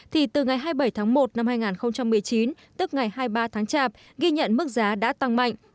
thì từ ngày hai mươi bảy tháng một năm hai nghìn một mươi chín tức ngày hai mươi ba tháng chạp ghi nhận mức giá đã tăng mạnh